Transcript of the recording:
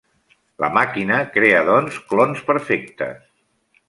La màquina crea doncs clons perfectes.